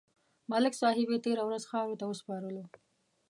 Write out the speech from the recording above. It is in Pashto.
ملک صاحب یې تېره ورځ خاورو ته وسپارلو.